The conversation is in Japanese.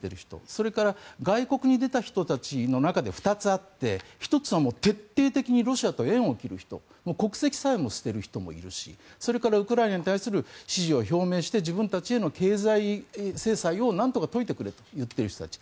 それから外国に出た人たちの中で２つあって１つは徹底的にロシアと縁を切る人国籍さえも捨てる人もいるしそれからウクライナに対する支持を表明して自分たちの経済制裁をなんとか解いてくれと言っている人たち。